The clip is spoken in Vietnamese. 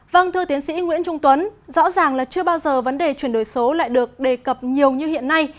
vâng thưa tiến sĩ nguyễn trung tuấn rõ ràng là chưa bao giờ vấn đề chuyển đổi số lại được đề cập nhiều như hiện nay